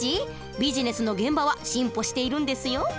ビジネスの現場は進歩しているんですよ。